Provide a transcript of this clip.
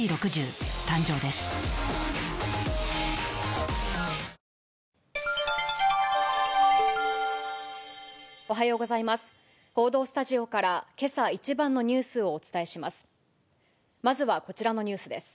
報道スタジオからけさ一番のニュースをお伝えします。